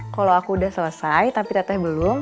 kalau aku udah selesai tapi teteh belum